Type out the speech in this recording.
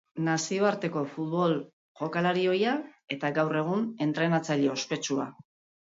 Nazioarteko futbol jokalari ohia, eta, gaur egun, entrenatzaile ospetsua.